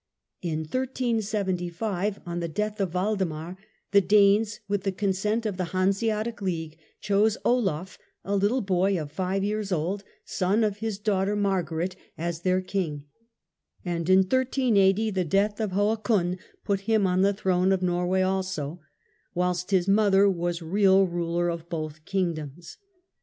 In 1375 on the death of Waldemar, the Danes with oiaf, King the consent of the Hanseatic League chose Olaf , a little mark, boy of five years old, son of his daughter Margaret, as ^^'^^^'^ their King, and in 1380 the death of Hakon put him on the throne of Norway also, whilst his mother was real ruler of both Kingdoms.